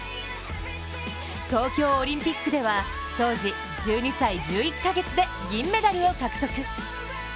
東京オリンピックでは当時、１２歳１１か月で銀メダルを獲得。